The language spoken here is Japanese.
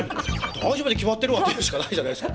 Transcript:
「大丈夫に決まってるわ！」って言うしかないじゃないですか。